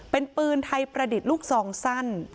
เป็นปืนไทยประดิษฐ์ลูกซองสั้น